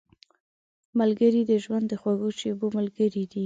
ملګری د ژوند د خوږو شېبو ملګری دی